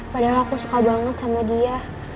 padahal aku suka banget sama dia